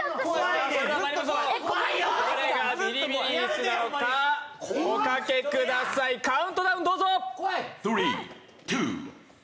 どれがビリビリ椅子なのか、おかけください、カウントダウン、どうぞ！